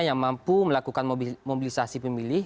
yang mampu melakukan mobilisasi pemilih